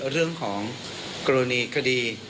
เรื่องของกรณีคดี